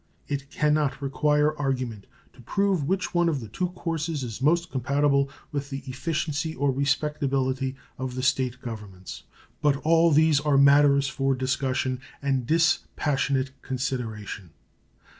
It can not require argument to prove which of the two courses is most compatible with the efficiency or respectability of the State governments. But all these are matters for discussion and dispassionate consideration.